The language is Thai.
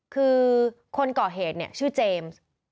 คือคนก่อเหตุเนี่ยชื่อเจมส์